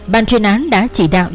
bàn chuyên án đã chỉ đạo